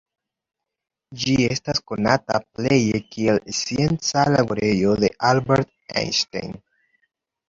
Ĝi estas konata pleje kiel scienca laborejo de Albert Einstein.